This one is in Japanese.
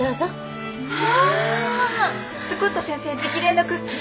スコット先生直伝のクッキー？